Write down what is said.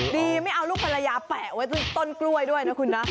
ไม่เอาลูกภรรยาแปะไว้ตรงต้นกล้วยด้วยนะคุณนะ